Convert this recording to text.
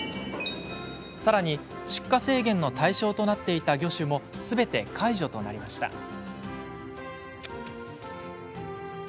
さらに、出荷制限の対象となっていた魚種もすべて解除となりました。